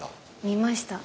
見ました。